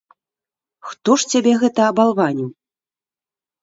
Хто ж цябе гэта абалваніў?